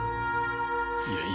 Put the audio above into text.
いやいい。